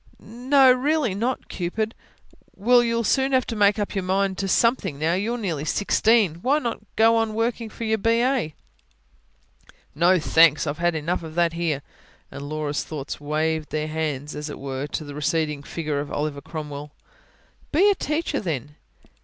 "No, really not, Cupid." "Well, you'll soon have to make up your mind to something now. You're nearly sixteen. Why not go on working for your B.A.?" "No thanks! I've had enough of that here." And Laura's thoughts waved their hands, as it were, to the receding figure of Oliver Cromwell. "Be a teacher, then."